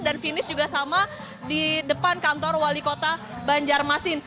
dan finish juga sama di depan kantor wali kota banjarmasin